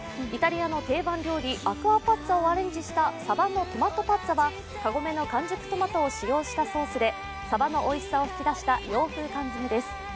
イタリアの定番料理アクアパッツァをアレンジしたさばのトマトパッツァはカゴメの完熟トマトを使用したソースでさばのおいしさを引き出した洋風缶詰です